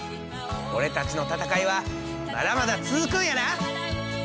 俺たちの闘いはまだまだ続くんやな！